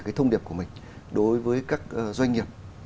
cái thông điệp của mình đối với các doanh nghiệp